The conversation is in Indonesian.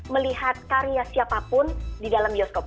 melihat karya siapapun di dalam bioskop